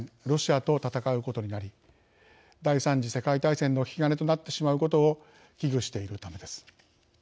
ロシアと戦うことになり第３次世界大戦の引き金となってしまうことを危惧しているためです。